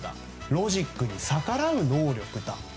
ロジックに逆らう能力だ。